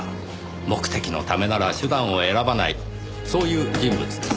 目的のためなら手段を選ばないそういう人物です。